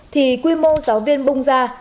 thì quy mô giáo viên bung ra